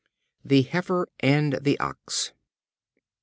The Heifer and the Ox.